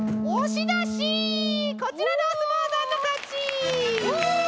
こちらのおすもうさんのかち！